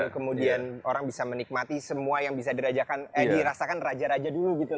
kemudian orang bisa menikmati semua yang bisa dirasakan raja raja dulu gitu